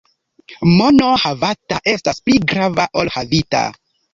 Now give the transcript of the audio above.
Mono havata estas pli grava ol havita.